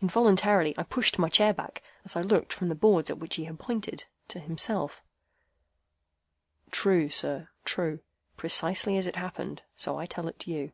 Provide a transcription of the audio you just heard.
Involuntarily I pushed my chair back, as I looked from the boards at which he pointed to himself. "True, sir. True. Precisely as it happened, so I tell it you."